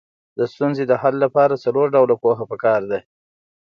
د ستونزې د حل لپاره څلور ډوله پوهه پکار ده.